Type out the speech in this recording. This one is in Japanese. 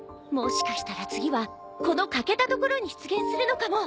もしかしたら次はこの欠けた所に出現するのかも。